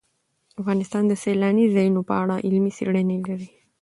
افغانستان د سیلانی ځایونه په اړه علمي څېړنې لري.